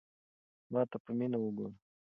ما ته په مینه وگوره.